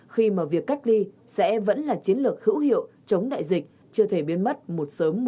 khi mà việc cất ly sẽ vẫn là chiến lược hữu hiệu chống đại dịch chưa thể biến mất một sớm một chiều